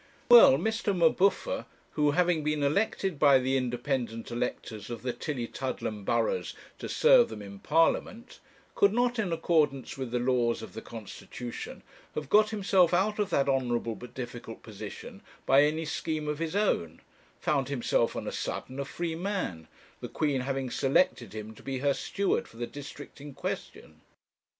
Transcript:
Well, Mr. M'Buffer, who, having been elected by the independent electors of the Tillietudlem burghs to serve them in Parliament, could not, in accordance with the laws of the constitution, have got himself out of that honourable but difficult position by any scheme of his own, found himself on a sudden a free man, the Queen having selected him to be her steward for the district in question.